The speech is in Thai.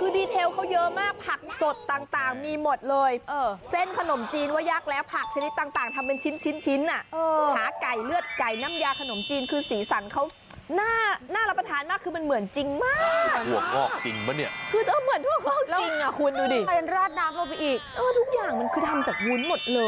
คุณเส้นขนมจีนทำเหมือนที่เส้นเป็นวุ้น